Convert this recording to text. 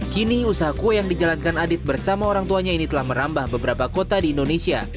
kini usaha kue yang dijalankan adit bersama orang tuanya ini telah merambah beberapa kota di indonesia